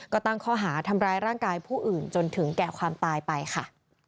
ก็ตั้งข้อหาทำร้ายร่างกายผู้อื่นจนถึงแก่ความตายไปค่ะ